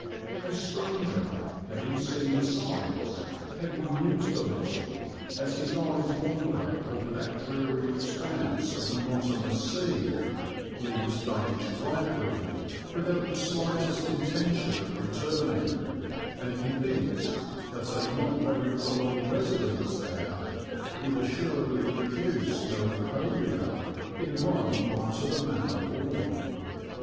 A stranger, having seen the sights, having mused a little as his eyes wander over that dreary expanse of monotonous sea, leaves Dunwich gladly, without the slightest intention of returning, and convinced that a not very prolonged residence there would assuredly produce melancholia in one not to the manner born.